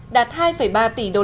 đạt hai ba tỷ đồng